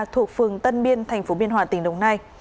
thuộc phường tân biên thành phố biên hòa tỉnh đồng nai